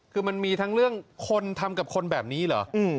คือมันมีทั้งเรื่องคนทำกับคนแบบนี้เหรอ